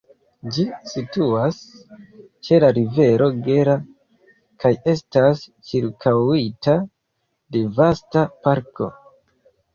Ĝi situas ĉe la rivero Gera kaj estas ĉirkaŭita de vasta parko.